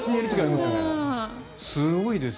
すごいです。